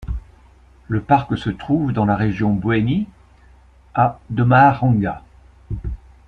Le parc se trouve dans la région Boeny, à de Mahajanga.